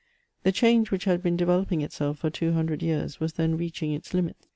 The change which had been devoloping itself for two hundred years was then reaching its limits.